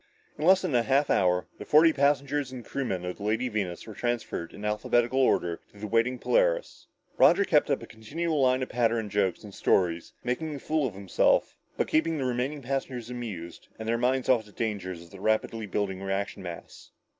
In less than a half hour, the forty passengers and crewmen of the Lady Venus were transferred in alphabetical order to the waiting Polaris. Roger kept up a continual line of patter and jokes and stories, making a fool of himself, but keeping the remaining passengers amused and their minds off the dangers of the rapidly building reaction mass.